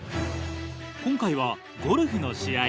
今回はゴルフの試合。